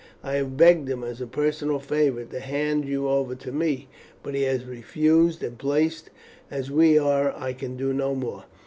I have begged him, as a personal favour, to hand you over to me, but he has refused, and placed as we are I can do no more.